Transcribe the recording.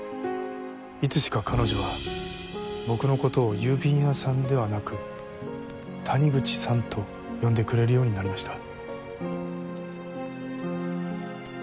いつしか彼女は僕のことを「郵便屋さん」ではなく「谷口さん」と呼んでくれるようになりました。